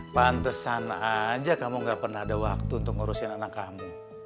pantesan aja kamu gak pernah ada waktu untuk ngurusin anak kamu